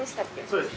そうです。